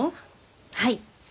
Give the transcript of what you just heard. はい。